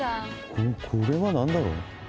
これは何だろう？